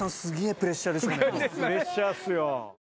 プレッシャーっすよ。